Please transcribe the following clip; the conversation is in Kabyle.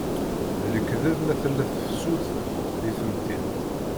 D lekdeb ma tella tefsut deg temdint.